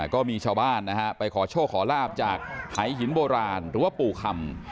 ก็มีชาวบ้านไปขอโชคขอราภจากศรีหินโบราณหรือว่าปู่คล้ำ